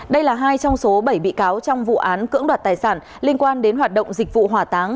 đây là hai trong số bảy bị cáo trong vụ án cưỡng đoạt tài sản liên quan đến hoạt động dịch vụ hỏa táng